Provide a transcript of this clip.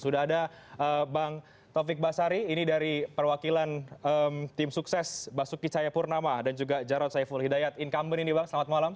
sudah ada bang taufik basari ini dari perwakilan tim sukses basuki cahayapurnama dan juga jarod saiful hidayat incumbent ini bang selamat malam